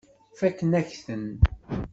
Fakkent-ak-ten.